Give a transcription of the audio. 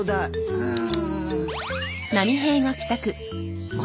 うん？